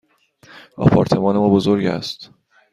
آپارتمان ما بزرگ است.